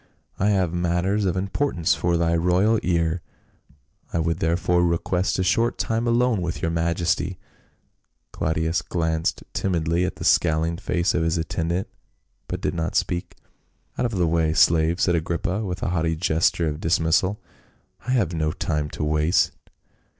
" I have matters of im portance for thy royal ear. I would therefore request a short time alone with your majesty." Claudius glanced timidly at the scowling face of his attendant, but did not speak. "Out of the way, slave," said Agrippa with a haughty gesture of dismissal. " I have no time to waste."